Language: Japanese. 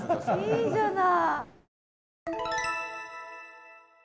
いいじゃない。